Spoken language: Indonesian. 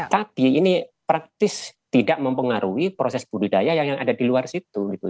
tapi ini praktis tidak mempengaruhi proses budidaya yang ada di luar situ gitu